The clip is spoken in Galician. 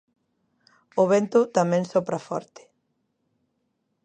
O vento tamén sopra forte.